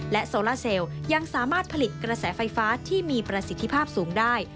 โซล่าเซลยังสามารถผลิตกระแสไฟฟ้าที่มีประสิทธิภาพสูงได้